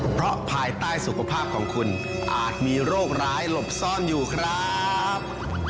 เพราะภายใต้สุขภาพของคุณอาจมีโรคร้ายหลบซ่อนอยู่ครับ